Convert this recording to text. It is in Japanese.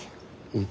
うん。